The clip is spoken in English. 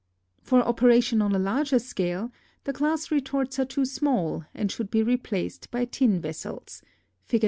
For operation on a larger scale the glass retorts are too small and should be replaced by tin vessels (Fig.